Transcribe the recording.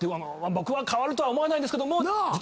変わるとは思わないんですけど実は。